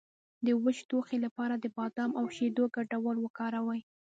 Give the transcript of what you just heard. د وچ ټوخي لپاره د بادام او شیدو ګډول وکاروئ